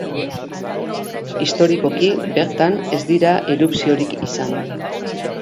Historikoki bertan ez dira erupziorik izan.